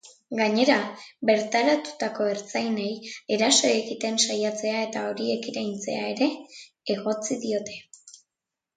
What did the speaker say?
Gainera, bertaratutako ertzainei eraso egiten saiatzea eta horiek iraintzea ere egotzi diote.